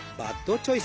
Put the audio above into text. チョイス！